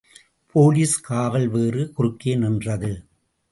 Police காவல்வேறு குறுக்கே நின்றது.